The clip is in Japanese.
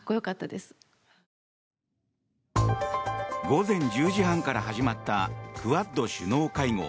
午前１０時半から始まったクアッド首脳会合。